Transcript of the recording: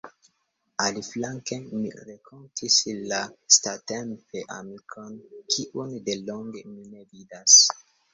Aliflanke, mi renkontis lastatempe amikon, kiun delonge mi ne vidas.